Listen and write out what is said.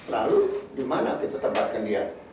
lalu di mana kita tempatkan dia